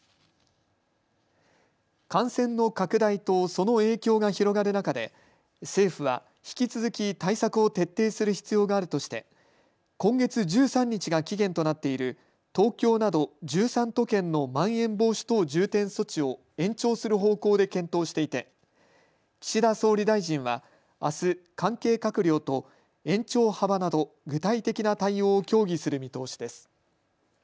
感染の拡大とその影響が広がる中で政府は引き続き対策を徹底する必要があるとして今月１３日が期限となっている東京など１３都県のまん延防止等重点措置を延長する方向で検討していて岸田総理大臣はあす、関係閣僚と延長幅など具体的な対応を協議する見通しです。